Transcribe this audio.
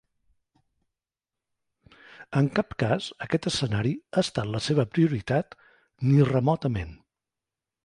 En cap cas aquest escenari ha estat la seva prioritat, ni remotament.